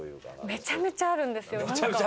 めちゃめちゃあるんですか？